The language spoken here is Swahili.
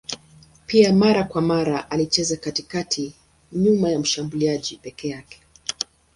Pia mara kwa mara alicheza katikati nyuma ya mshambuliaji peke yake.